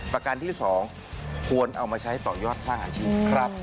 ประกันที่๒ควรเอามาใช้ต่อยอดสร้างอาชีพครับ